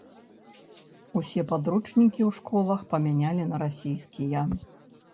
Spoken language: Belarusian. Усе падручнікі ў школах памянялі на расійскія.